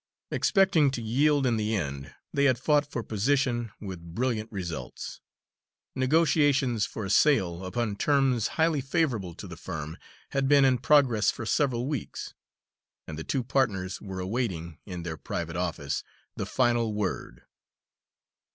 Expecting to yield in the end, they had fought for position with brilliant results. Negotiations for a sale, upon terms highly favourable to the firm, had been in progress for several weeks; and the two partners were awaiting, in their private office, the final word.